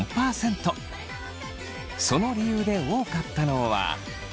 その理由で多かったのは。